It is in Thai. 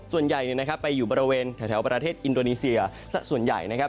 ส่วนใหญ่ไปอยู่บริเวณแถวประเทศอินโดนีเซียส่วนใหญ่นะครับ